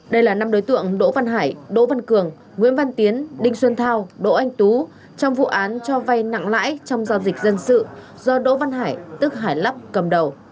đây là năm đối tượng đỗ văn hải đỗ văn cường nguyễn văn tiến đinh xuân thao đỗ anh tú trong vụ án cho vay nặng lãi trong giao dịch dân sự do đỗ văn hải tức hải lắp cầm đầu